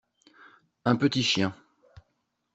Un petit chien.